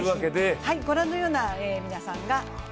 御覧のような皆さんが。